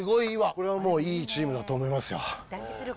これはもう、いいチームだと思いますよ。